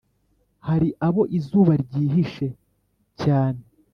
hari abo izuba ryihishe cyane,